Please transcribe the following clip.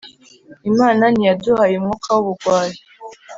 Imana ntiyaduhaye umwuka w’ubugwari,